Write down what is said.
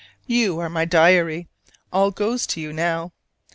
You are my diary: all goes to you now.